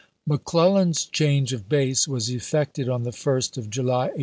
McClellan's change of base was effected on the 1st of July, 1862.